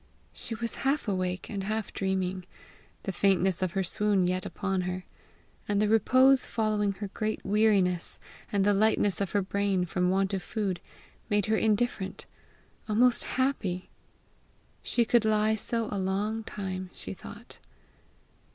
She was half awake and half dreaming; the faintness of her swoon yet upon her, the repose following her great weariness, and the lightness of her brain from want of food, made her indifferent almost happy. She could lie so a long time, she thought.